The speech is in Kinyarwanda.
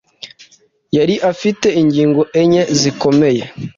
yari afite ingo enye zikomeye